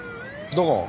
どこ？